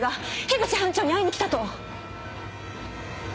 口班長に会いに来たと。